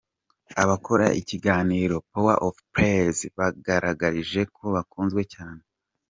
Abakora ikiganiro Power of praise bagaragarijwe ko bakunzwe cyane.